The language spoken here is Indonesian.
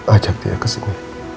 ajak dia ke sini